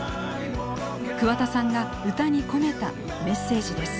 桑田さんが歌に込めたメッセージです。